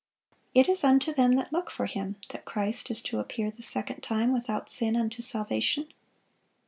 It is "unto them that look for Him" that Christ is to "appear the second time without sin unto salvation."